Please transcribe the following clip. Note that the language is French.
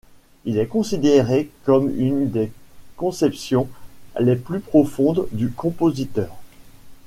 Il est considéré comme une des conceptions les plus profonde du compositeur.